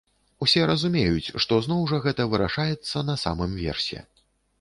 Усе разумеюць, што зноў жа гэта вырашаецца на самым версе.